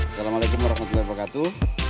assalamualaikum warahmatullahi wabarakatuh